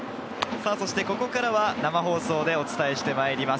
ここからは生放送でお伝えしてまいります。